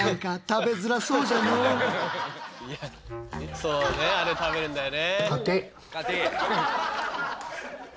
そうねあれ食べるんだよね。